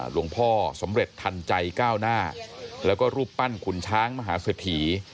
หลวงพ่อสำเร็จทันใจก้าวหน้าแล้วก็รูปปั้นขุนช้างมหาเศรษฐี